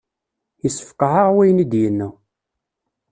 Yessefqeε-aɣ wayen i d-yenna.